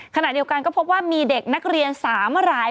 ขณะเดียวกันก็พบว่ามีเด็กนักเรียน๓ราย